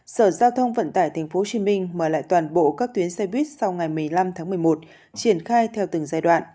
sở giao thông vận tải tp hcm mời lại toàn bộ các tuyến xe buýt sau ngày một mươi năm tháng một mươi một triển khai theo từng giai đoạn